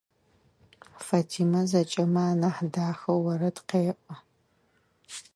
Фатима зэкӏэмэ анахь дахэу орэд къеӏо.